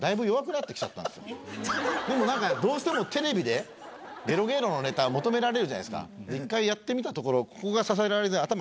でもなんかどうしてもテレビで「ゲロゲーロ」のネタ求められるじゃないですか１回やってみたところここが支えられずに頭ゴン！